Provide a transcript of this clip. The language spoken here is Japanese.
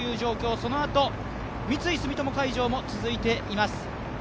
そのあと、三井住友海上も続いています。